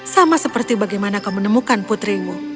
sama seperti bagaimana kau menemukan putrimu